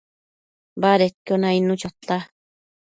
badedquio nainnu chota